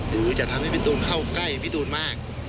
หรือจะทำให้พี่ตูนเข้าใกล้พี่ตูนมาก